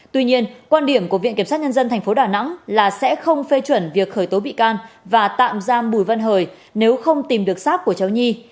tuy nhiên quan điểm của viện kiểm sát nhân dân tp đà nẵng là sẽ không phê chuẩn việc khởi tố bị can và tạm giam bùi văn hời nếu không tìm được sát của cháu nhi